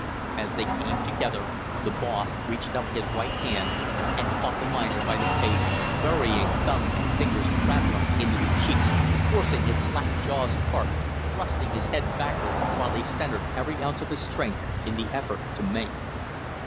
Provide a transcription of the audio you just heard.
As they came together the boss reached up his right hand and caught the miner by the face, burying thumb and fingers crab like into his cheeks, forcing his slack jaws apart, thrusting his head backward, while he centred every ounce of his strength in the effort to maim.